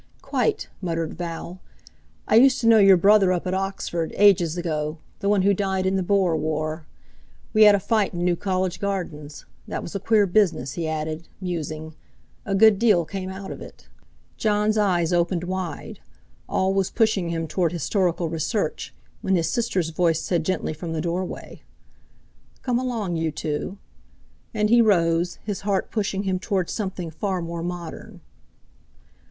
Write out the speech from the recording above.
"Quite," muttered Val. "I used to know your brother up at Oxford, ages ago, the one who died in the Boer War. We had a fight in New College Gardens. That was a queer business," he added, musing; "a good deal came out of it." Jon's eyes opened wide; all was pushing him toward historical research, when his sister's voice said gently from the doorway: "Come along, you two," and he rose, his heart pushing him toward something far more modern.